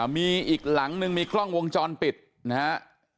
มีอีกหลังนึงมีกล้องวงจรปิดนะฮะ